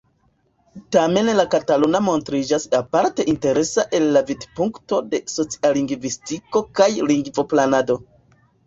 Tamen la kataluna montriĝas aparte interesa el la vidpunkto de socilingvistiko kaj lingvoplanado.